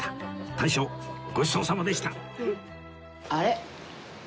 大将ごちそうさまでした